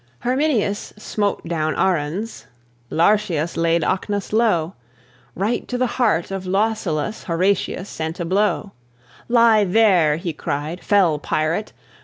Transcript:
Herminius smote down Aruns; Lartius laid Ocnus low; Right to the heart of Lausulus Horatius sent a blow. "Lie there," he cried, "fell pirate!